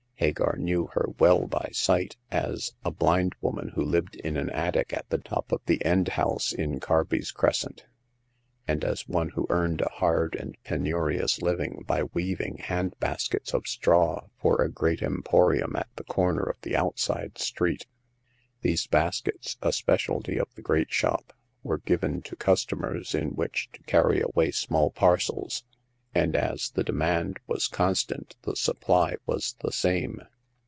Hagar knew her well by sight as The Sixth Customer. 155 a bHnd woman who lived in an attic at the top of the end house in Carby's Crescent, and as one who earned a hard and penurious Uving by weaving hand baskets of straw for a great empo rium at the corner of the outside street. These baskets— a speciaHty of the great shop — were given to customers in which to carry away small parcels ; and as the demand was constant, the supply was the same.